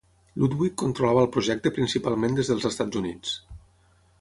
Ludwig controlava el projecte principalment des dels Estats Units.